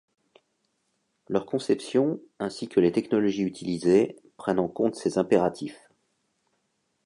Leur conception ainsi que les technologies utilisées prennent en compte ces impératifs.